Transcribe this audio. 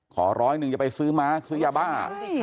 ขอร้อยหนึ่งจะไปซื้อม้าซื้อยาบ้า